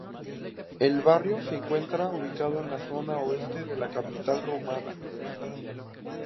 El barrio se encuentra ubicado en la zona oeste de la capital rumana.